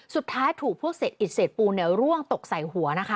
สุดท้ายถูกพวกเสร็จอิจเสร็จปูร่วงตกใส่หัว